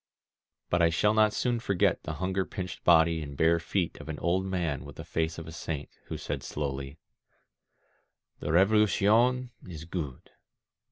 But I shall not soon forget the hunger pinched body and bare feet of an old man with the face of a saint, who said slowly: "The Revolucion is good.